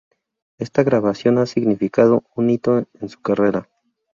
Esta grabación ha significado un hito en su carrera.